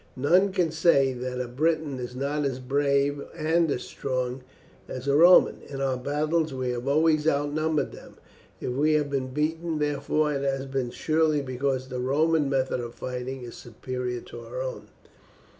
None can say that a Briton is not as brave and as strong as a Roman. In our battles we have always outnumbered them. If we have been beaten, therefore, it has been surely because the Roman method of fighting is superior to our own."